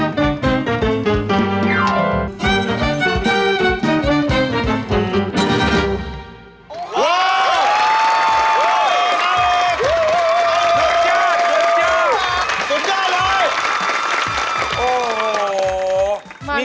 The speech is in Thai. สวัสดีครับ